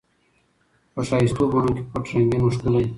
په ښایستو بڼو کي پټ رنګین وو ښکلی